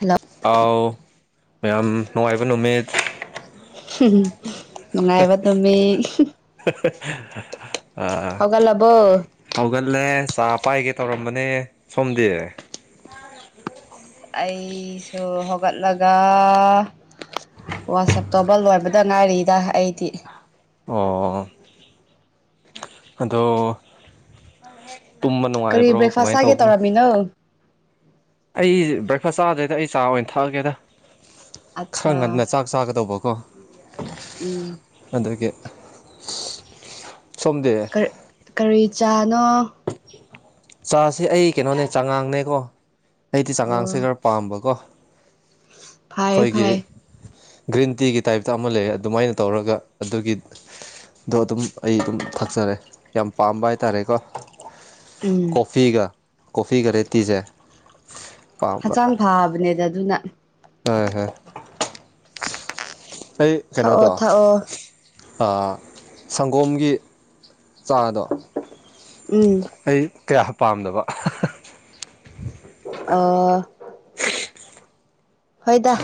hello ꯑꯥꯎ ꯃꯌꯥꯝ ꯅꯨꯡꯉꯥꯏꯕ ꯅꯨꯃꯤꯠ ꯅꯨꯡꯉꯥꯏꯕ ꯅꯨꯃꯤꯠ [unintelligible] ꯍꯧꯒꯠꯂꯕꯣ ꯍꯧꯒꯠꯂꯦ ꯆꯥ ꯄꯥꯏꯒꯦ ꯇꯧꯔꯝꯕꯅꯦ ꯁꯣꯝꯗꯤ ꯑꯩꯁꯨ ꯍꯧꯒꯠꯂꯒ ꯋꯥꯁꯞ ꯇꯧꯕ ꯂꯣꯏꯕꯗ ꯉꯥꯏꯔꯤꯗ ꯑꯩꯗꯤ ꯑꯣ ꯑꯗꯣ ꯇꯨꯝꯕ ꯅꯨꯡꯉꯥꯏꯕ꯭ꯔꯣ ꯀꯃꯥꯏꯅ ꯇꯧꯕꯅꯣ ꯃꯤꯅꯣ ꯑꯩ ꯕ꯭ꯔꯦꯛꯐꯥꯁ ꯆꯥꯗ꯭ꯔꯦꯗ ꯑꯩ ꯆꯥ ꯑꯣꯏꯅ ꯊꯛꯑꯒꯦꯗ ꯈꯔ ꯑꯠꯆꯥ ꯉꯟꯅ ꯆꯥꯛ ꯆꯥꯒꯗꯧꯕꯀꯣ ꯎꯝ ꯑꯗꯨꯒꯤ ꯁꯣꯝꯗꯤ ꯀꯔꯤ ꯀꯔꯤ ꯆꯥꯅꯣ ꯆꯥꯁꯦ ꯑꯩ ꯀꯩꯅꯣꯅꯦ ꯆꯥꯉꯥꯡꯅꯦꯀꯣ ꯑꯩꯗꯤ ꯑꯣ ꯆꯥꯉꯥꯡꯁꯦ ꯈꯔ ꯄꯥꯝꯕꯀꯣ ꯐꯩ ꯈꯣꯏꯒꯤ ꯐꯩ ꯒ꯭ꯔꯤꯟ ꯇꯤꯒꯤ ꯇꯥꯏꯞꯇ ꯑꯃ ꯂꯩ ꯑꯗꯨꯃꯥꯏꯅ ꯇꯧꯔꯒ ꯑꯗꯨꯒꯤ ꯑꯗꯣ ꯑꯗꯨꯝ ꯑꯩ ꯑꯗꯨꯝ ꯊꯛꯆꯔꯦ ꯌꯥꯝ ꯄꯥꯝꯕ ꯍꯥꯏꯇꯥꯔꯦꯀꯣ ꯎꯝ ꯀꯣꯐꯤꯒ ꯀꯣꯐꯤꯒ ꯔꯦꯠꯇꯤꯁꯦ ꯍꯛꯆꯥꯡ ꯐꯥꯕꯅꯦꯗ ꯑꯗꯨꯅ ꯍꯣꯏ ꯍꯣꯏ ꯑꯩ ꯊꯛꯑꯣ ꯀꯩꯅꯣꯗꯣ ꯊꯛꯑꯣ ꯑꯥ ꯁꯪꯒꯣꯝꯒꯤ ꯆꯥꯗꯣ ꯎꯝ ꯑꯩ ꯀꯌꯥ ꯄꯥꯝꯗꯕ ꯑꫭ ꯍꯣꯏꯗ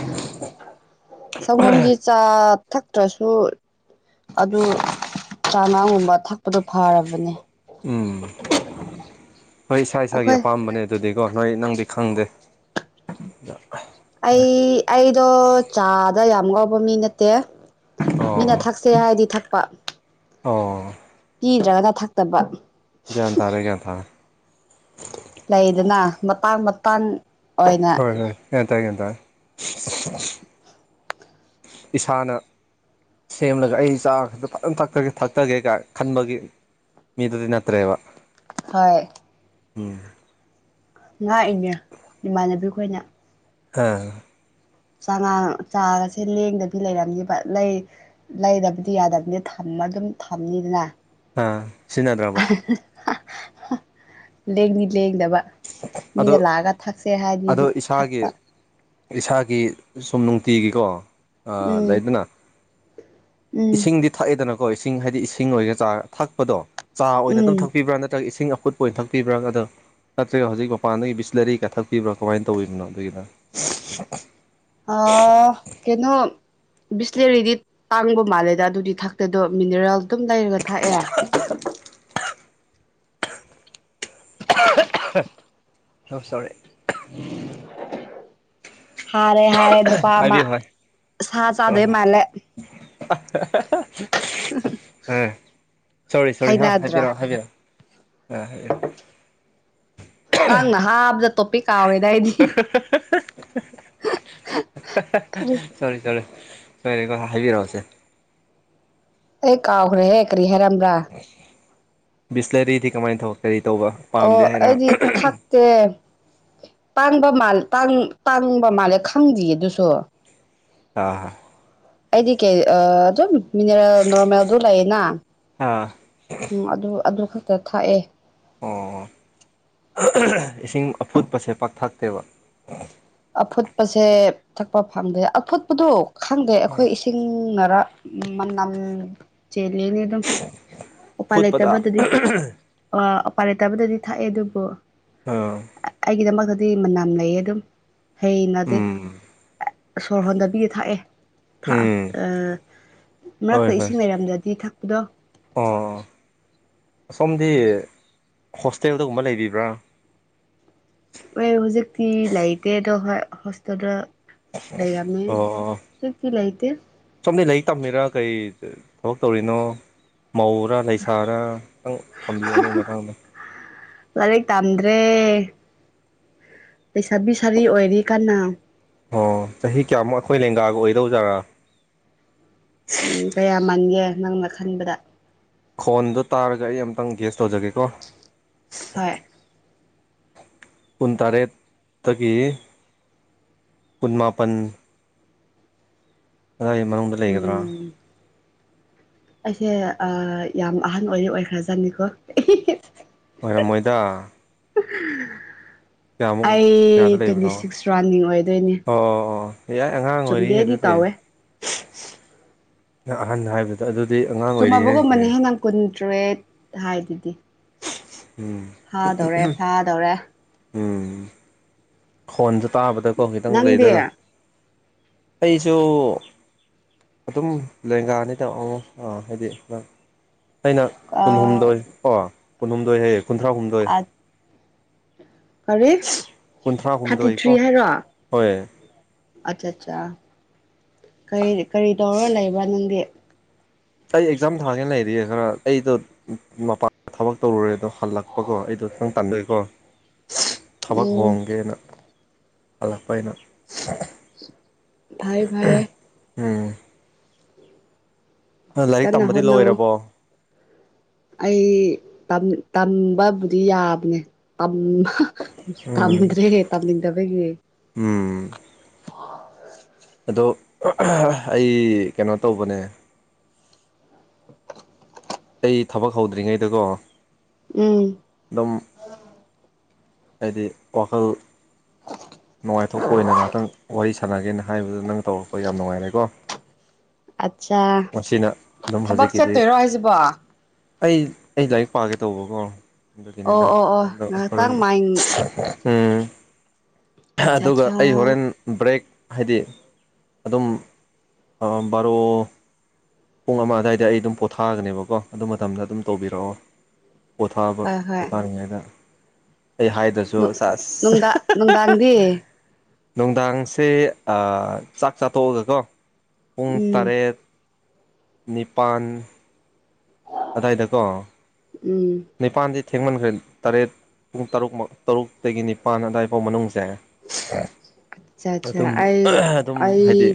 ꯁꯪꯒꯣꯝꯒꯤ ꯆꯥ ꯊꯛꯇ꯭ꯔꯁꯨ ꯑꯗꯨ ꯆꯥꯉꯥꯡꯒꯨꯝꯕ ꯊꯛꯄꯗꯣ ꯐꯔꯕꯅꯦ ꯎꯝ ꯍꯣꯏ ꯏꯁꯥ ꯏꯁꯥꯒꯤ ꯑꯩꯈꯣꯏ ꯑꯄꯥꯝꯕꯅꯦ ꯑꯗꯨꯗꯤꯀꯣ ꯅꯣꯏ ꯅꯪꯗꯤ ꯈꯪꯗꯦ ꯑꯩ ꯑꯩꯗꯣ ꯆꯥꯗ ꯌꯥꯝ ꯉꯥꯎꯕ ꯃꯤ ꯅꯠꯇꯦ ꯑꯣ ꯃꯤꯅ ꯊꯛꯁꯦ ꯍꯥꯏꯗꯤ ꯊꯛꯄ ꯑꯣ ꯄꯤꯗ꯭ꯔꯒꯅ ꯊꯛꯇꯕ ꯒ꯭ꯌꯥꯟ ꯇꯥꯔꯦ ꯒ꯭ꯌꯥꯟ ꯇꯥꯔꯦ ꯂꯩꯗꯅ ꯃꯇꯥꯡ ꯃꯇꯥꯡ ꯑꯣꯏꯅ ꯍ ꯇꯑꯦꯇ [unintelligible] ꯏꯁꯥꯅ ꯁꯦꯝꯂꯒ ꯑꯩ ꯏꯆꯥ ꯈꯛꯇ ꯐꯖꯅꯒꯦ ꯊꯛꯇꯒꯦ ꯀꯥꯏ ꯈꯟꯕꯒꯤ ꯃꯤꯗꯗꯤ ꯅꯠꯇ꯭ꯔꯦꯕ ꯍꯣꯏ ꯎꯝ ꯉꯥꯛ ꯏꯅꯦ ꯏꯃꯥꯟꯅꯕꯤ ꯈꯣꯏꯅ ꯍꯥ ꯆꯉꯥꯡ ꯆꯥꯒꯁꯦ ꯂꯦꯡꯗꯕꯤ ꯂꯩꯔꯝꯒ ꯂꯩ ꯂꯩꯗꯕꯗꯤ ꯌꯥꯗꯕꯅꯤ ꯊꯝꯃ ꯑꯗꯨꯝ ꯊꯝꯅꯤꯗꯅ ꯑꯥ ꯁꯤꯖꯤꯟꯅꯗ꯭ꯔꯕꯣ ꯂꯦꯡꯗꯤ ꯂꯦꯡꯗꯕ ꯑꯗꯣ ꯃꯤꯅ ꯂꯥꯛꯑꯒ ꯊꯛꯁꯦ ꯑꯗꯣ ꯍꯥꯏꯗꯤꯗꯤ ꯏꯁꯥꯒꯤ ꯊꯛꯄ ꯏꯁꯥꯒꯤ ꯁꯨꯝ ꯅꯨꯡꯇꯤꯒꯤꯀꯣ ꯎꯝ ꯂꯩꯗꯅ ꯎꯝ ꯏꯁꯤꯡꯗꯤ ꯊꯛꯑꯦꯗꯅꯀꯣ ꯏꯁꯤꯡ ꯍꯥꯏꯗꯤ ꯏꯁꯤꯡ ꯑꯣꯏꯒ ꯆꯥ ꯊꯛꯄꯗꯣ ꯆꯥ ꯑꯣꯏꯅ ꯑꯗꯨꯝ ꯎꯝ ꯊꯛꯄꯤꯕ꯭ꯔꯥ ꯅꯠꯇ꯭ꯔꯒ ꯏꯁꯤꯡ ꯑꯐꯨꯠꯄ ꯑꯣꯏꯅ ꯊꯛꯄꯤꯕ꯭ꯔꯥ ꯑꯗꯣ ꯅꯠꯇ꯭ꯔꯒ ꯍꯧꯖꯤꯛ ꯃꯄꯥꯟꯗꯒꯤ ꯕꯤꯁꯂꯔꯤ ꯀꯛꯊꯛꯄꯤꯕ꯭ꯔꯥ ꯀꯃꯥꯏꯅ ꯇꯧꯤꯕꯅꯣ ꯑꯗꯨꯒꯤꯅ ꯑ ꯀꯩꯅꯣ ꯕꯤꯁꯂꯦꯔꯤꯗꯤ ꯇꯥꯡꯕ ꯃꯥꯜꯂꯦꯗ ꯑꯗꯨꯗꯤ ꯊꯛꯇꯗꯣ ꯃꯤꯅꯔꯦꯜ ꯑꯗꯨꯝ ꯂꯩꯔꯒ ꯊꯥꯛꯑꯦ [inaudible] ꯁꯣꯔꯤ [unintelligible] ꯍꯥꯏꯔꯦ ꯍꯥꯏꯔꯦ ꯅꯨꯄꯥ ꯑꯃ ꯍꯥꯏꯕꯤꯌꯨ ꯁꯥ ꯆꯥꯗꯣꯏ ꯃꯥꯜꯂꯦ [inaudible] ꯑꯥ ꯁꯣꯔꯤ ꯁꯣꯔꯤ ꯍꯥ ꯍꯩꯅꯗ꯭ꯔꯥ ꯍꯥꯏꯕꯤꯔꯛꯑꯣ ꯍꯥꯏꯕꯤꯔꯛꯑꯣ ꯑ ꯍꯥꯏꯕꯤꯛꯑꯣ ꯂꯥꯡꯅ ꯍꯥꯞ ꯇꯣꯞꯄꯤ ꯀꯥ ꯑꯣꯏꯦꯗꯗꯤ ꯀꯔꯤ [inaudible] ꯁꯔꯤ ꯁꯔꯦ ꯁꯣꯏꯔꯦꯀꯣ ꯍꯥꯏꯕꯤꯔꯛꯑꯣꯁꯦ ꯑꯩ ꯀꯥꯎꯈ꯭ꯔꯦꯍꯦ ꯀꯔꯤ ꯍꯥꯏꯔꯝꯕ꯭ꯔꯥ ꯕꯤꯁꯂꯔꯤꯗꯤ ꯀꯃꯥꯏꯅ ꯇꯧ ꯀꯔꯤ ꯇꯧꯕ ꯄꯥꯝꯗꯦ ꯍꯥꯏꯅ ꯑꯦꯦ ꯇꯥꯡꯕ ꯃꯥꯜꯦ ꯇꯥꯡꯕ ꯃꯥꯜꯂꯦ ꯈꯪꯗ꯭ꯔꯤꯌꯦ ꯑꯗꯨꯁꯨ ꯑꯥ ꯍꯥ ꯑꯩꯗꯤ ꯀꯩ ꯑꯗꯨꯝ ꯃꯤꯅꯔꯦꯜ ꯅꯣꯔꯃꯦꯜꯗꯨ ꯂꯩꯌꯦꯅ ꯑ ꯎꯝ ꯑꯗꯨ ꯑꯗꯨ ꯈꯛꯇ ꯊꯥꯛꯑꯦ ꯑꯣ ꯏꯁꯤꯡ ꯑꯐꯨꯠꯄꯁꯦ ꯄꯥꯛꯊꯛꯇꯦꯕ ꯑꯐꯨꯠꯄꯁꯦ ꯊꯛꯄ ꯐꯪꯗꯦ ꯑꯐꯨꯠꯄꯗꯣ ꯈꯪꯗꯦ ꯑꯩꯈꯣꯏ ꯆꯤꯡꯅꯔ ꯃꯅꯝ ꯆꯦꯜꯂꯤꯅꯤ ꯑꯗꯨꯝ ꯎꯄꯥꯏ ꯐꯨꯠꯄꯗ ꯂꯩꯇꯕꯗꯗꯤ ꯑ ꯎꯄꯥꯏ ꯂꯩꯇꯕꯗꯗꯤ ꯊꯥꯛꯑꯦ ꯑꯗꯨꯕꯨ ꯑꯥ ꯒꯤꯗꯃꯛꯇꯗꯤ ꯃꯅꯝ ꯂꯩꯌꯦ ꯑꯗꯨꯝ ꯍꯩꯅꯗꯦ ꯎꯝ ꯁꯣꯔ ꯍꯣꯟꯗꯕꯤ ꯊꯥꯛꯑꯦ ꯎꯝ ꯍꯣꯏ ꯃꯔꯛꯇ ꯍꯣꯏ ꯏꯁꯤꯡ ꯂꯩꯔꯝꯗ꯭ꯔꯗꯤ ꯊꯛꯄꯗꯣ ꯑꯣ ꯁꯣꯝꯗꯤ ꯍꯣꯁꯇꯦꯜꯗꯒꯨꯝꯕ ꯂꯩꯕꯤꯕ꯭ꯔꯥ ꯑꯦ ꯍꯧꯖꯤꯛꯇꯤ ꯂꯥꯏꯇꯗ ꯍ ꯍꯁꯗ ꯂꯩꯔꯃꯦꯛꯇꯤ ꯂꯩꯇꯦ ꯁꯣꯝꯗ ꯂꯥꯏꯔꯤꯛ ꯇꯝꯃꯤꯔꯥ ꯀꯩ ꯊꯕꯛ ꯇꯧꯔꯤꯅꯣ ꯃꯧꯔꯥ ꯂꯩ ꯁꯥꯥꯔ ꯈꯤꯇꯪ ꯊꯝꯕꯤꯌꯣ ꯅꯒꯤ ꯃꯇꯥꯡꯗ ꯂꯔꯤꯛ ꯇꯝꯗ꯭ꯔꯦ ꯂꯩꯩꯁꯥꯕꯤ ꯁꯥꯔꯤ ꯑꯣꯏꯔꯤ ꯀꯅ ꯑꯣ ꯆꯍꯤ ꯀꯌꯥꯃꯨꯛ ꯑꯩꯈꯣꯏ ꯂꯦꯡꯒꯥꯒ ꯑꯣꯏꯗꯧꯖꯥꯔꯥ ꯎꯝ ꯀꯌꯥ ꯃꯥꯟꯒꯦ ꯅꯪꯅ ꯈꯟꯕꯗ ꯈꯣꯟꯗꯣ ꯇꯥꯔꯒ ꯑꯩ ꯑꯝꯇꯪ ꯒ꯭ꯦꯁ ꯇꯧꯖꯒꯦꯀꯣ ꯍ ꯀꯨꯟꯇꯔꯦꯠꯇꯒꯤ ꯀꯨꯟꯃꯄꯟ ꯀꯗꯥꯏ ꯃꯅꯨꯡꯗ ꯂꯩꯒꯗ꯭ꯔꯣ ꯎꯝ ꯑꯩꯁꯦ ꯌꯥꯝ ꯑꯍꯟ ꯑꯣꯏꯔꯤ ꯑꯣꯏꯈ꯭ꯔꯖꯅꯤꯀꯣ ꯍꯣꯏ ꯃꯣꯏꯗ [unintelligible] ꯑꯩ ꯀꯌꯥꯗ ꯇ꯭ꯋꯦꯟꯇꯤ ꯂꯩꯕꯅꯣ ꯑꯣ ꯁꯤꯛꯁ ꯔꯥꯅꯤꯡ ꯑꯣꯏꯗꯣꯏꯅꯦ ꯑꯣ ꯑꯣ ꯆꯨꯝꯗꯦ ꯑꯩꯗꯤ ꯇꯋꯦ ꯑꯍꯥꯟ ꯍꯥꯏꯕꯗ ꯑꯗꯨꯗꯤ ꯑꯉꯥꯡ ꯑꯣꯏꯔꯤ ꯍ ꯀꯩ ꯀꯨꯟꯇ꯭ꯔꯦꯠ ꯍꯥꯏꯗꯨꯗꯤ ꯎꯝ ꯐꯥꯗꯧꯔꯦ ꯐꯥꯗꯧꯔꯦ ꯎꯝ ꯐꯣꯟꯁꯨ ꯇꯥꯕꯗꯀꯣ ꯈꯤꯇꯪ ꯅꯪꯗꯤ ꯂꯩꯗꯅ ꯑꯩꯁꯨ ꯑꯗꯨꯝ ꯂꯦꯡꯒꯥꯅꯤꯠꯇꯕ ꯑꯃ ꯍꯥꯏꯗꯤ ꯑꯩꯅ ꯑꯥ ꯀꯨꯟꯍꯨꯝꯗꯣꯏ ꯑꯣ ꯀꯨꯟꯍꯨꯝꯗꯣꯏ ꯍꯌꯦ ꯀꯨꯟꯊ꯭ꯔꯥ ꯍꯨꯝꯗꯣꯏ ꯑꯠ ꯀꯔꯤ ꯊꯥꯔꯇꯤ ꯀꯨꯟꯊ꯭ꯔꯥꯍꯨꯝꯗꯣꯏ ꯊ꯭ꯔꯤ ꯀꯣ ꯍꯥꯏꯔꯣ ꯍꯣꯏ ꯑꯠꯆꯥ ꯑꯠꯆꯥ ꯀꯔꯤ ꯀꯔꯤ ꯇꯧꯔꯒ ꯂꯩꯕ꯭ꯔꯥ ꯅꯪꯗꯤ ꯑꯩ ꯑꯦꯛꯖꯥꯝ ꯊꯥꯖꯤꯅ ꯂꯩꯔꯤꯌꯦ ꯈꯔ ꯑꯩꯗꯣ ꯃꯄꯥꯟ ꯊꯕꯛ ꯇꯧꯔꯨꯔꯦ ꯑꯗꯣ ꯍꯜꯂꯛꯄꯀꯣ ꯑꯩꯗꯣ ꯈꯤꯇꯪ ꯇꯥꯟꯗꯩꯀꯣ [unintelligible] ꯊꯕꯛ ꯍꯣꯡꯣꯡꯒꯦꯅ ꯍꯜꯂꯛꯄ ꯑꯅ ꯚꯥꯏ ꯐꯚꯥꯏ ꯎꯝ ꯂꯥꯏꯔꯤꯛ ꯀꯟꯅ ꯇꯝꯕꯗꯤ ꯍꯣꯠꯅꯧ ꯂꯣꯏꯔꯕꯣ ꯑꯩ ꯇꯝꯕꯕꯨꯗꯤ ꯌꯥꯕꯅꯦ ꯇꯝꯕ ꯎꯝ ꯇꯝꯗ꯭ꯔꯦꯦ ꯇꯝꯗꯕꯒꯤꯦ ꯎꯝ ꯑ ꯑꯗꯣ ꯑꯩ ꯀꯩꯅꯣ ꯇꯧꯕꯅꯦ ꯑꯩ ꯊꯕꯛ ꯍꯧꯗ꯭ꯔꯤꯉꯩꯗꯀꯣ ꯎꯝ ꯑꯗꯨꯝ ꯍꯥꯏꯗꯤ ꯋꯥꯈꯜ ꯅꯨꯡꯉꯥꯏꯊꯣꯛꯄ ꯑꯣꯏꯅ ꯉꯍꯥꯛꯇꯪ ꯋꯥꯔꯤ ꯁꯥꯟꯅꯒꯦꯅ ꯍꯥꯏꯕꯗꯨ ꯅꯪ ꯇꯧꯔꯛꯄ ꯌꯥꯝ ꯅꯨꯡꯉꯥꯏꯔꯦꯀꯣ ꯑꯠꯆꯥ ꯉꯁꯤꯅ ꯑꯗꯨꯝ ꯊꯕꯛ ꯍꯧꯖꯤꯛꯀꯤꯗꯤ ꯆꯠꯇꯣꯏꯔꯣ ꯍꯥꯏꯁꯤꯕꯣ ꯑꯩ ꯑꯩ ꯂꯥꯏꯔꯤꯛ ꯄꯥꯒꯦ ꯇꯧꯕꯀꯣ ꯑꯗꯨꯒꯤꯅꯤꯗ ꯑꯣ ꯑꯣ ꯉꯥꯏꯍꯥꯛꯇꯪ ꯍꯜꯂꯨ ꯃꯥꯏ ꯎ ꯑꯠꯆꯥ ꯑꯗꯨꯒ ꯑꯠꯆꯥ ꯑꯩ ꯍꯣꯔꯦꯟ ꯕ꯭ꯔꯦꯛ ꯍꯥꯏꯗꯤ ꯑꯗꯨꯝ ꯕꯥꯔꯣ ꯄꯨꯡ ꯑꯃ ꯑꯗꯨꯋꯥꯏꯗ ꯑꯩ ꯑꯗꯨꯝ ꯄꯣꯊꯥꯒꯅꯦꯕꯀꯣ ꯑꯗꯨ ꯃꯇꯝꯗ ꯑꯗꯨꯝ ꯇꯧꯕꯤꯔꯛꯑꯣ ꯄꯣꯊꯥꯕ ꯍꯣꯏ ꯍꯣꯏ ꯄꯣꯊꯥꯔꯤꯉꯩꯗ ꯑꯩ ꯍꯥꯏꯗ ꯅꯨꯡꯗꯥꯡ ꯅꯨꯡꯗꯥꯡꯗꯤ ꯅꯨꯡꯗꯥꯡꯁꯦ ꯆꯥꯛ ꯆꯥꯊꯣꯛꯑꯒꯀꯣ ꯄꯨꯡ ꯎꯝ ꯇꯔꯦꯠ ꯅꯤꯄꯥꯟ ꯑꯗꯥꯏꯗꯀꯣ ꯎꯝ ꯅꯤꯄꯥꯟꯗꯤ ꯊꯦꯡꯃꯟꯈ꯭ꯔꯦ ꯇꯔꯦꯠ ꯄꯨꯡ ꯇꯔꯨꯛ ꯇꯔꯨꯛꯇꯒꯤ ꯅꯤꯄꯥꯟ ꯑꯋꯥꯏꯐꯥꯎ ꯃꯅꯨꯡꯁꯦ ꯑꯠꯆꯥ ꯑꯠꯆꯥ ꯑꯗꯨꯝ ꯑꯩ ꯑꯗꯨꯝ ꯑꯩ ꯍꯥꯏꯗꯤ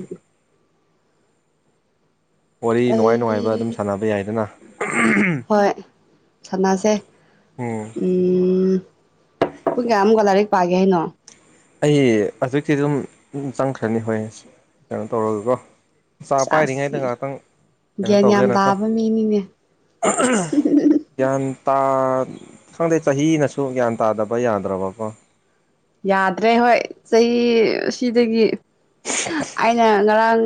ꯋꯥꯔꯤ ꯑꯩ ꯅꯨꯡꯉꯥꯏ ꯅꯨꯡꯉꯥꯏꯕ ꯑꯗꯨꯝ ꯁꯥꯟꯅꯕ ꯌꯥꯏꯗꯅ ꯍꯣꯏ ꯁꯥꯟꯅꯁꯦ ꯎꯝ ꯎꯝ ꯄꯨꯡ ꯀꯌꯥꯃꯨꯛꯀ ꯂꯥꯏꯔꯤꯛ ꯄꯥꯒꯦ ꯍꯥꯏꯅꯣ ꯑꯩ ꯍꯧꯖꯤꯛꯇꯤ ꯑꯗꯨꯝ ꯆꯪꯈ꯭ꯔꯅꯤ ꯍꯣꯏ ꯀꯩꯅꯣ ꯇꯧꯔꯒꯀꯣ ꯆꯥꯛ ꯑꯁ ꯄꯥꯏꯔꯤꯉꯩꯗ ꯉꯍꯥꯛꯇꯪ ꯀꯩꯅꯣ ꯒ꯭ꯌꯥꯟ ꯌꯥꯝ ꯇꯧꯒꯦꯅꯀꯣ ꯇꯥꯕ ꯃꯤꯅꯤꯅꯦ ꯒ꯭ꯌꯥꯟ ꯇꯥ ꯈꯪꯗꯦ ꯆꯍꯤꯅꯁꯨ ꯒ꯭ꯌꯥꯟ ꯇꯥꯗꯕ ꯌꯥꯗ꯭ꯔꯕꯀꯣ ꯌꯥꯗ꯭ꯔꯦ ꯍꯣꯏ ꯆꯍꯤ ꯁꯤꯗꯒꯤ ꯑꯩꯅ ꯉꯔꯥꯡ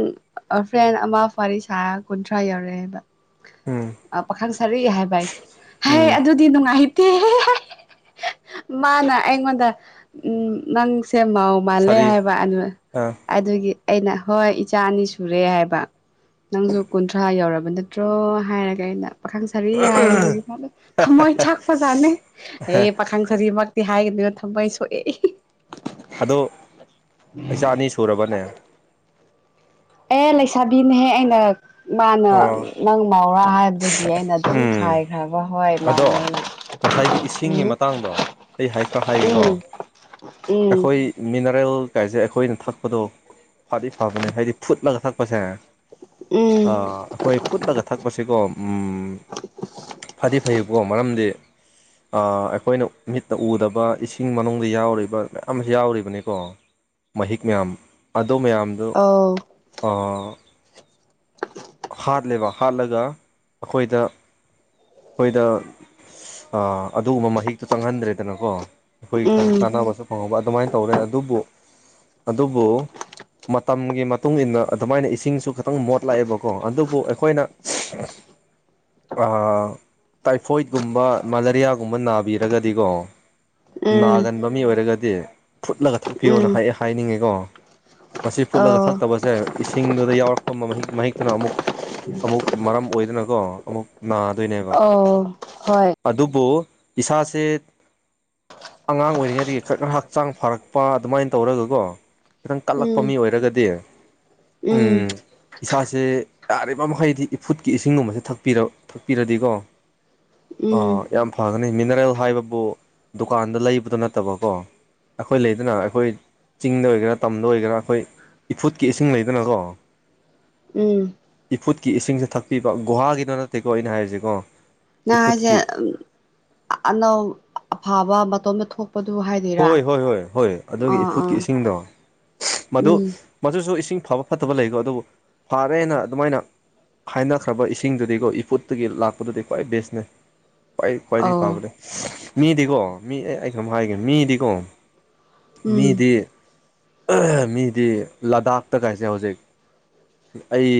ꯐ꯭ꯔꯦꯟ ꯑꯃ ꯋꯥꯔꯤ ꯁꯥ ꯀꯨꯟꯊ꯭ꯔꯥ ꯌꯧꯔꯛꯑꯦꯕ ꯎꯝ ꯄꯥꯈꯪ ꯁꯥꯔꯛꯏꯦ ꯍꯥꯏꯕꯥꯏ ꯍ ꯎꯝ ꯑꯗꯨꯗꯤ ꯅꯨꯡꯉꯥꯏꯇꯦ ꯃꯥꯅꯥ ꯑꯩꯉꯉꯣꯟꯗ ꯎꯝ ꯅꯪꯁꯦ ꯃꯥꯧ ꯃꯥꯜꯂꯦ ꯁꯥꯔꯤ ꯍꯥꯏꯕ ꯑꯗꯨ ꯑ ꯑꯗꯨꯒꯤ ꯑꯩꯅ ꯍꯣꯏ ꯏꯆꯥ ꯑꯅꯤ ꯁꯨꯔꯦ ꯍꯥꯏꯕ ꯅꯪꯁꯨ ꯀꯨꯟꯊ꯭ꯔꯥ ꯌꯧꯔꯕ ꯅꯠꯇ꯭ꯔꯣ ꯍꯥꯏꯔꯒ ꯑꯩꯅ ꯄꯥꯈꯪ ꯁꯥꯔꯤ ꯍꯥꯏꯔꯨꯕꯒꯤꯗ ꯊꯃꯣꯏ ꯐꯖꯥꯅꯦ ꯑꯦ ꯄꯥꯈꯪ ꯁꯖꯤꯃꯛꯇꯤ ꯍꯥꯏꯒꯅꯤꯣꯏꯅ ꯊꯝꯃꯩ ꯁꯣꯛꯑꯦ ꯑꯣ ꯑꯩꯩꯆꯥ ꯑꯅꯤ ꯁꯨꯔꯕꯅꯦ ꯑꯦ ꯂꯩꯁꯥꯕꯤꯅꯍꯦ ꯑꯩꯅ ꯃꯥꯅ ꯑꯣ ꯅꯪ ꯃꯥꯥꯎꯔꯥ ꯍꯥꯏꯕꯗꯒꯤ ꯑꯩꯅ ꯑꯗꯨꯝ ꯎꯝ ꯈꯥꯏꯈ꯭ꯔꯕ ꯍꯋꯥꯏ ꯑꯗꯣ ꯃꯥꯡꯅ ꯉꯁꯥꯏꯒꯤ ꯏꯁꯤꯡꯒꯤ ꯃꯇꯥꯡꯗꯣ ꯑꯩ ꯍꯥꯏꯈꯔ ꯍꯥꯏꯒꯦꯀꯣ ꯎꯝ ꯎꯝ ꯑꯩꯈꯣꯏ ꯃꯤꯅꯔꯦꯜ ꯀꯥꯏꯁꯦ ꯑꯩꯈꯣꯏꯅ ꯊꯛꯄꯗꯣ ꯐꯗꯤ ꯐꯕꯅꯦ ꯍꯥꯏꯗꯤ ꯐꯨꯠꯂꯒ ꯊꯛꯄꯁꯦ ꯎꯝ ꯑꯩꯈꯣꯏ ꯐꯨꯠꯂꯒ ꯊꯛꯄꯁꯤꯀꯣ ꯐꯗꯤ ꯐꯩꯀꯣ ꯃꯔꯝꯗꯤ ꯑꯩꯈꯣꯏꯅ ꯃꯤꯠꯅ ꯎꯗꯕ ꯏꯁꯤꯡ ꯃꯅꯨꯡꯗ ꯌꯥꯎꯔꯤꯕ ꯃꯌꯥꯝ ꯑꯃꯁꯨ ꯌꯥꯎꯔꯤꯕꯅꯤꯀꯣ ꯃꯍꯤꯛ ꯃꯌꯥꯝ ꯑꯗꯨ ꯃꯌꯥꯝꯗꯨꯣ ꯑꯧ [unintelligible] ꯍꯥꯠꯂꯦꯕ ꯍꯥꯠꯂꯒ ꯑꯩꯈꯣꯏꯗ ꯑꯩꯈꯣꯏꯗ ꯑꯗꯨꯒꯨꯝꯕ ꯃꯍꯤꯛꯇꯣ ꯆꯪꯍꯟꯗ꯭ꯔꯦꯗꯅꯀꯣ ꯑꯩꯈꯣꯏꯒꯤ ꯎꯝ ꯀꯥꯟꯅꯕꯁꯨ ꯐꯪꯍꯧꯕ ꯑꯗꯨꯃꯥꯏꯅ ꯇꯧꯔꯦ ꯑꯗꯨꯕꯨ ꯑꯗꯨꯕꯨ ꯃꯇꯝꯒꯤ ꯃꯇꯨꯡ ꯏꯟꯅ ꯑꯗꯨꯃꯥꯏꯅ ꯏꯁꯤꯡꯁꯨ ꯈꯤꯇꯪ ꯃꯣꯠꯂꯥꯛꯑꯦꯕꯀꯣ ꯀꯣ ꯑꯗꯨꯕꯨ ꯑꯩꯈꯣꯏꯅ ꯇꯥꯏꯐꯣꯏꯗꯀꯨꯝꯕ ꯃꯂꯔꯤꯌꯥꯒꯨꯝꯕ ꯅꯥꯕꯤꯔꯒꯗꯤꯀꯣ ꯎꯝ ꯅꯥꯒꯟꯕ ꯃꯤ ꯑꯣꯏꯔꯒꯗꯤ ꯐꯨꯠꯂꯒ ꯊꯛꯄꯤꯌꯣꯅ ꯎꯝ ꯍꯥꯏꯅꯤꯡꯉꯤꯀꯣ ꯃꯁꯤ ꯐꯨꯠꯂꯒ ꯑꯧ ꯊꯛꯇꯕꯁꯦ ꯏꯁꯤꯡꯗꯨꯗ ꯌꯥꯎꯔꯛꯄ ꯃꯍꯤꯛ ꯃꯍꯤꯛ ꯑꯗꯨꯅ ꯑꯃꯨꯛ ꯑꯃꯨꯛ ꯃꯔꯝ ꯑꯣꯏꯗꯅꯀꯣ ꯑꯃꯨꯛ ꯅꯥ ꯑꯣ ꯍꯣꯏ ꯑꯗꯨꯕꯨ ꯏꯁꯥꯁꯦ ꯑꯉꯥꯡ ꯑꯣꯏꯔꯤꯉꯩꯗꯒꯤ ꯈꯔ ꯈꯔ ꯍꯛꯆꯥꯡ ꯐꯔꯛꯄ ꯑꯗꯨꯃꯥꯏꯅ ꯇꯧꯔꯒꯀꯣ ꯈꯤꯇꯪ ꯀꯠꯂꯛꯄ ꯃꯤ ꯎꯝ ꯑꯣꯏꯔꯒꯗꯤ ꯎꯝ ꯏꯁꯥꯥꯁ ꯁꯦ ꯌꯥꯔꯤꯕ ꯃꯈꯩꯗꯤ ꯏꯐꯨꯠꯀꯤ ꯏꯁꯤꯡꯒꯨꯝꯕꯁꯦꯛꯔ ꯊꯛꯄꯤꯔꯗꯤꯀꯣ ꯑ ꯎꯝ ꯌꯥꯝ ꯐꯒꯅꯤ ꯃꯤꯅꯔꯦꯜ ꯍꯥꯏꯕꯕꯨ ꯗꯨꯀꯥꯟꯗ ꯂꯩꯕꯗꯣ ꯅꯠꯇꯕꯀꯣ ꯑꯩꯈꯣꯏ ꯂꯩꯗꯅ ꯑꯩꯈꯣꯏ ꯆꯤꯡꯗ ꯑꯣꯏꯒꯦꯔꯥ ꯇꯝꯗ ꯑꯣꯏꯒꯦꯔꯥ ꯑꯩꯈꯣꯏ ꯏꯐꯨꯠꯀꯤ ꯏꯁꯤꯡ ꯂꯩꯗꯅꯀꯣ ꯎꯝ ꯏꯐꯨꯠꯀꯤ ꯏꯁꯤꯡꯁꯦ ꯊꯛꯄꯤꯕ ꯒꯨꯍꯥꯒꯤꯅꯣ ꯅꯠꯇꯦꯀꯣ ꯑꯩꯅ ꯍꯥꯏꯔꯤꯁꯤꯀꯣ ꯅ ꯍꯥꯏꯁꯦ ꯏꯐꯨꯠꯀꯤ ꯑꯅꯧ ꯑꯐꯥꯕ ꯃꯇꯣꯝꯇ ꯊꯣꯛꯄꯗꯨ ꯍꯥꯏꯗꯤ ꯍꯣꯏ ꯍꯣꯏ ꯍꯣꯏ ꯍꯣꯏ ꯑꯗꯨꯒꯤ ꯏꯐꯨꯠꯀꯤ ꯏꯁꯤꯡꯗꯣ ꯃꯗꯨ ꯎꯝ ꯃꯗꯨꯁꯨ ꯏꯁꯤꯡ ꯐꯕ ꯐꯠꯇꯕ ꯂꯩꯀꯣ ꯑꯗꯨꯕꯨ ꯐꯔꯦꯅ ꯑꯗꯨꯃꯥꯏꯅ ꯍꯥꯏꯅꯈ꯭ꯔꯕ ꯏꯁꯤꯡꯗꯨꯗꯤꯀꯣ ꯏꯐꯨꯠꯇꯨꯒꯤ ꯂꯥꯛꯄꯗꯨꯗꯤ ꯈ꯭ꯋꯥꯏ ꯕꯦꯁꯅꯦ ꯈ꯭ꯋꯥꯏ ꯈ꯭ꯋꯥꯏꯗꯒꯤ ꯑꯧ ꯐꯕꯅꯦ ꯃꯤꯗꯤꯀꯣ ꯃꯤ ꯑꯩ ꯀꯩꯅꯣꯝ ꯍꯥꯏꯒꯦ ꯃꯤꯗꯤꯀꯣ ꯎꯝ ꯃꯤꯗꯤ ꯃꯤꯗꯤ ꯂꯗꯥꯛꯇ ꯀꯥꯏꯁꯦ ꯍꯧꯖꯤꯛ ꯑꯩ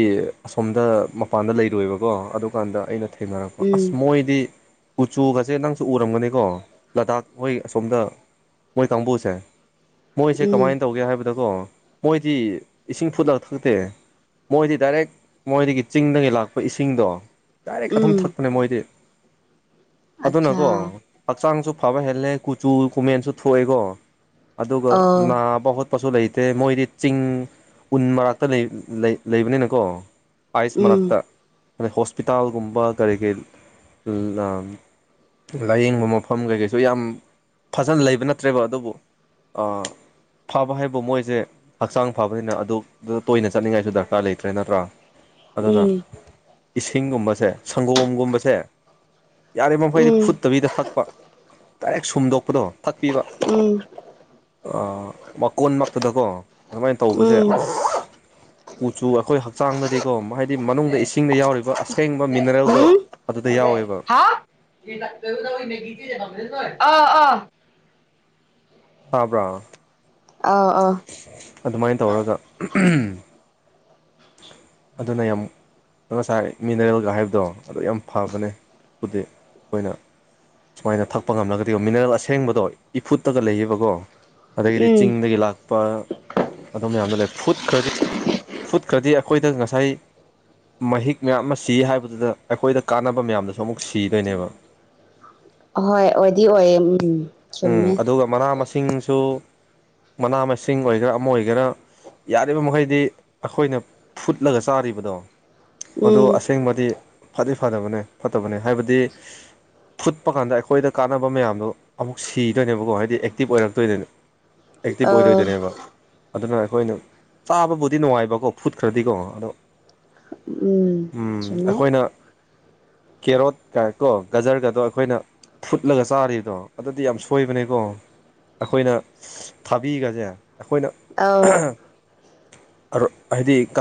ꯑꯁꯣꯝꯗ ꯃꯄꯥꯟꯗ ꯂꯩꯔꯣꯏꯕꯀꯣ ꯑꯗꯨꯀꯥꯟꯗ ꯑꯩꯅ ꯊꯦꯡꯅꯔꯛꯄ ꯎꯝ ꯑꯁ ꯃꯣꯏꯗꯤ ꯎꯆꯨꯒꯁꯦ ꯅꯪꯁꯨ ꯎꯔꯝꯒꯅꯤꯀꯣ ꯂꯗꯥꯛ ꯍꯣꯏ ꯑꯁꯣꯝꯗ ꯃꯣꯏ ꯀꯝꯕꯨꯨꯁꯦ ꯃꯣꯏꯁꯦ ꯀꯃꯥꯏ ꯎꯝ ꯇꯧꯒꯦ ꯍꯥꯏꯕꯗꯀꯣ ꯃꯣꯏꯗꯤ ꯏꯁꯤꯡ ꯐꯨꯠꯂꯒ ꯊꯛꯇꯦ ꯃꯣꯏꯗꯤ ꯗꯥꯏꯔꯦꯛ ꯃꯣꯏꯗꯒꯤ ꯆꯤꯡꯗꯒꯤ ꯂꯥꯛꯄ ꯏꯁꯤꯡꯗꯣ ꯗꯥꯏꯔꯦꯛ ꯑꯗꯨꯝ ꯎꯝ ꯊꯛꯄꯅꯦ ꯃꯣꯏꯗꯤ ꯑꯠꯆꯥ ꯑꯗꯨꯅꯀꯣ ꯍꯛꯆꯥꯡꯁꯨ ꯐꯕ ꯍꯦꯜꯂꯦ ꯀꯨꯆꯨ ꯀꯨꯃꯦꯟꯁꯨ ꯊꯣꯛꯑꯦꯀꯣ ꯑꯗꯨꯒ ꯑꯧ ꯅꯥ ꯄꯈꯣꯠꯄꯁꯨ ꯂꯩꯇꯦ ꯃꯣꯏꯗꯤ ꯆꯤꯡ ꯎꯟ ꯃꯔꯛꯇ ꯂꯩꯕꯅꯤꯅꯀꯣ ꯑꯥꯏꯁ ꯎꯝ ꯃꯔꯥꯛꯇ ꯑꯗꯩ ꯍꯣꯁꯄꯤꯇꯥꯜꯒꯨꯝꯕ ꯀꯔꯤ ꯀꯔꯤ ꯂꯥꯏꯌꯦꯡꯕ ꯃꯐꯝ ꯀꯩꯀꯩꯁꯨ ꯌꯥꯝ ꯐꯖꯅ ꯂꯩꯕ ꯅꯠꯇ꯭ꯔꯦꯕ ꯑꯗꯨꯕꯨ ꯐꯥꯕ ꯍꯥꯏꯕ ꯃꯣꯏꯁꯦ ꯍꯛꯆꯥꯡ ꯐꯕꯅꯤꯅ ꯑꯗꯨ ꯇꯣꯏꯅ ꯆꯠꯅꯤꯡꯉꯥꯏꯁꯨ ꯗꯔꯀꯥꯔ ꯂꯩꯇ꯭ꯔꯦ ꯅꯠꯇ꯭ꯔꯥ ꯑꯗꯨꯅ ꯎꯝ ꯏꯁꯤꯡꯒꯨꯝꯕꯁꯦ ꯁꯪꯒꯣꯝꯒꯨꯝꯕꯁꯦ ꯌꯥꯔꯤꯕ ꯃꯈꯩꯗꯤ ꯎꯝ ꯐꯨꯠꯇꯕꯤꯗ ꯊꯛꯄ ꯗꯥꯏꯔꯦꯛ ꯁꯨꯝꯗꯣꯛꯄꯗꯣ ꯊꯛꯄꯤꯕ ꯎꯝ ꯋꯥꯀꯣꯟꯃꯛꯇꯗꯀꯣ ꯑꯗꯨꯃꯥꯏꯅ ꯇꯧꯕꯁꯦ ꯎꯝ ꯑꯁ ꯀꯨꯆꯨꯒ ꯑꯩꯈꯣꯏ ꯍꯛꯆꯥꯡꯗꯗꯤꯀꯣ ꯍꯥꯏꯗꯤ ꯃꯅꯨꯡꯗ ꯏꯁꯤꯡꯗ ꯌꯥꯎꯔꯤꯕ ꯑꯁꯦꯡꯕ ꯃꯤꯅꯔꯦꯜꯗꯣ ꯎꯝ ꯑꯗꯨꯗ ꯌꯥꯎꯋꯦꯕ ꯑ ꯑ ꯇꯥꯕ꯭ꯔꯥ ꯑꯧ ꯑꯧ ꯑꯗꯨꯃꯥꯏꯅ ꯇꯧꯔꯒ ꯑꯗꯨꯅ ꯌꯥꯝ ꯑꯗꯣ ꯉꯁꯥꯏ ꯃꯤꯅꯔꯦꯜꯒ ꯍꯥꯏꯕꯗꯣ ꯑꯗꯨ ꯌꯥꯝ ꯐꯕꯅꯦꯕꯨꯗꯤ ꯑꯩꯈꯣꯏꯅ ꯁꯨꯃꯥꯏꯅ ꯊꯛꯄ ꯉꯝꯂꯒꯗꯤꯀꯣ ꯃꯤꯅꯔꯦꯜ ꯑꯁꯦꯡꯕꯗꯣ ꯏꯐꯨꯠꯇꯒ ꯂꯩꯌꯦꯕꯀꯣ ꯑꯗꯒꯤꯗꯤ ꯎꯝ ꯆꯤꯡꯗꯒꯤ ꯂꯥꯛꯄ ꯑꯗꯨꯝ ꯃꯌꯥꯝꯅꯣ ꯂꯩ ꯐꯨꯗ ꯈꯔꯗꯤ ꯐꯨꯠꯀꯗꯤ ꯑꯩꯈꯣꯏꯗ ꯉꯁꯥꯏ ꯃꯍꯤꯛ ꯃꯌꯥꯝ ꯑꯃ ꯁꯤ ꯍꯥꯏꯕꯗꯨꯗ ꯑꯩꯈꯣꯏꯗ ꯀꯥꯟꯅꯕ ꯃꯌꯥꯝꯗꯁꯨ ꯑꯃꯨꯛ ꯁꯤꯗꯣꯏꯅꯦꯕ ꯑꯍꯣꯏ ꯑꯣꯏꯗꯤ ꯑꯣꯏꯌꯦ ꯎꯝꯝ ꯎꯝ ꯆꯨꯝꯃꯦ ꯑꯗꯨꯒ ꯃꯅꯥ ꯃꯁꯤꯡꯁꯨ ꯃꯅꯥ ꯃꯁꯤꯡ ꯑꯣꯏꯒꯦꯔꯥ ꯑꯃ ꯑꯣꯏꯒꯦꯔꯥ ꯌꯥꯔꯤꯕ ꯃꯈꯩꯗꯤ ꯑꯩꯈꯣꯏꯅ ꯐꯨꯠꯂꯒ ꯆꯥꯔꯤꯕꯗꯣ ꯃꯗꯨ ꯎꯝ ꯑꯁꯦꯡꯕꯗꯤ ꯐꯗꯤ ꯐꯗꯕꯅꯦ ꯐꯠꯇꯕꯅꯦ ꯍꯥꯏꯕꯗꯤ ꯐꯨꯠꯄ ꯀꯥꯟꯗ ꯑꯩꯈꯣꯏꯗ ꯀꯥꯟꯅꯕ ꯃꯌꯥꯝꯗꯣ ꯑꯃꯨꯛ ꯁꯤꯗꯣꯏꯅꯦꯕꯀꯣ ꯍꯥꯏꯗꯤ ꯑꯦꯛꯇꯤꯞ ꯑꯣꯏꯔꯛꯇꯣꯏꯅꯦ ꯑꯦꯛꯇꯤꯞ ꯑ ꯑꯣꯏꯔꯣꯏꯗꯣꯏꯅꯦꯕ ꯑꯗꯨꯅ ꯑꯩꯈꯣꯏꯅ ꯆꯥꯕꯕꯨꯗꯤ ꯅꯨꯡꯉꯥꯏꯕꯀꯣ ꯐꯨꯠ ꯈꯔꯗꯤꯀꯣ ꯑꯗꯣ ꯎꯝ ꯎ ꯆꯨꯝꯃꯦ ꯑꯩꯈꯣꯏꯅ ꯀꯦꯔꯣꯠꯀ ꯀꯣ ꯒꯖꯔꯒꯗꯣ ꯑꯩꯈꯣꯏꯅ ꯐꯨꯠꯂꯒ ꯆꯥꯔꯤꯗꯣ ꯑꯗꯨꯗꯤ ꯌꯥꯝ ꯁꯣꯏꯕꯅꯦꯀꯣ ꯑꯩꯈꯣꯏꯅ ꯊꯥꯕꯤꯒꯁꯦ ꯑꯩꯈꯣꯏꯅ ꯑꯧ ꯑꯔꯣ ꯍꯥꯏꯗꯤ ꯀ